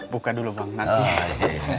buka dulu bang nanti